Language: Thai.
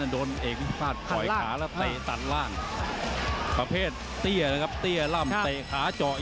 ต้องเสริมใจเล็กตลอดน่ะครับใจอ่ะ